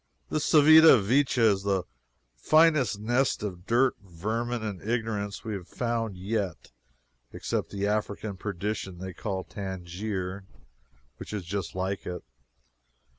This Civita Vecchia is the finest nest of dirt, vermin and ignorance we have found yet, except that African perdition they call Tangier, which is just like it.